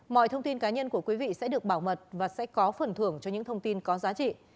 mọi thông tin cá nhân của quý vị sẽ được bảo mật và sẽ có phần thưởng cho những thông tin có giá trị